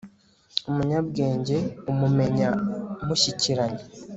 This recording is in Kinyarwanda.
umunyabwenge umumenya mushyikiranye